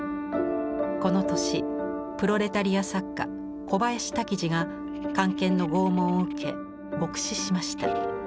この年プロレタリア作家小林多喜二が官憲の拷問を受け獄死しました。